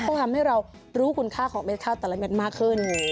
ก็ทำให้เรารู้คุณค่าของเด็ดข้าวแต่ละเม็ดมากขึ้น